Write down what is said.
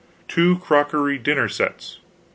500 2 crockery dinner sets .